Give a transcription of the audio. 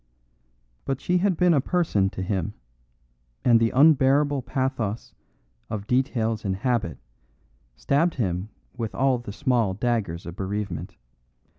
But she had been a person to him, and the unbearable pathos of details and habit stabbed him with all the small daggers of bereavement.